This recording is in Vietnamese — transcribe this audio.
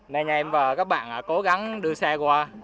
nên anh em và các bạn cố gắng đưa xe qua